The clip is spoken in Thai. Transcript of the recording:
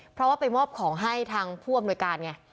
เพราะว่าไปมอบของให้ทางผู้อำนวยการไง